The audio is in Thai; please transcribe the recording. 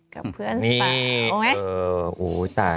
กับเพื่อนสิปะเอาไหม